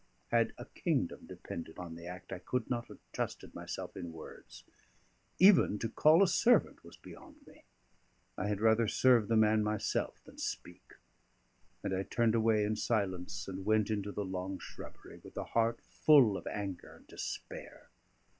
Had a kingdom depended on the act, I could not have trusted myself in words; even to call a servant was beyond me; I had rather serve the man myself than speak; and I turned away in silence and went into the long shrubbery, with a heart full of anger and despair.